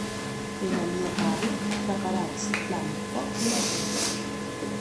Ena mia parla traparatz plan pòc de latin.